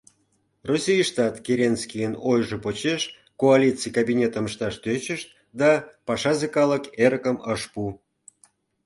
Российыштат Керенскийын ойжо почеш коалиций кабинетым ышташ тӧчышт да, пашазе калык эрыкым ыш пу.